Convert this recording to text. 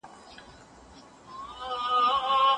د لوستنې فرهنګ د کمزورۍ نښې په ناپوهۍ کې دی.